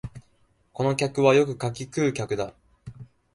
この客はよく柿食う客だ